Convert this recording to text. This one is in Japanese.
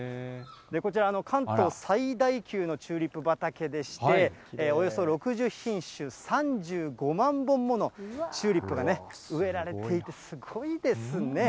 こちら、関東最大級のチューリップ畑でして、およそ６０品種、３５万本ものチューリップが植えられていて、すごいですね。